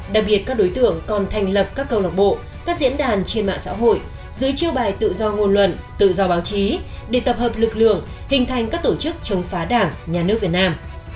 đặc biệt các đối tượng còn thành lập các câu lạc bộ các diễn đàn trên mạng xã hội dưới chiêu bài tự do ngôn luận tự do báo chí để tập hợp lực lượng hình thành các tổ chức chống phá đảng nhà nước việt nam